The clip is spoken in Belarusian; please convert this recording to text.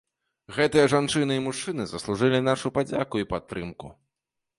Гэтыя жанчыны і мужчыны заслужылі нашу падзяку і падтрымку.